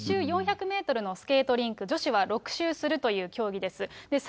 １周４００メートルのスケートリンク、女子は６周するという競技です。